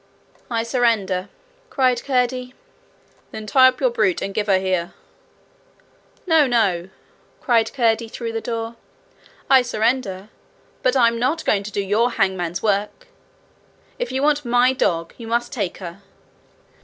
'I surrender,' cried Curdie. 'Then tie up your brute, and give her here.' 'No, no,' cried Curdie through the door. 'I surrender; but I'm not going to do your hangman's work. If you want MY dog, you must take her.'